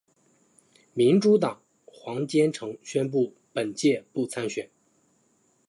民主党黄坚成宣布本届不参选。